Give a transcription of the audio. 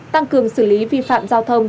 tăng cường xử lý vi phạm giao thông